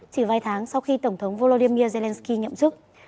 chỉ vài tháng sau khi tổng thống volodymyr zelenskyy nhậm chức